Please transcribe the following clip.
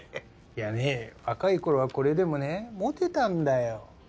いやね若い頃はこれでもねモテたんだよ。